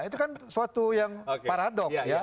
itu kan suatu yang paradok ya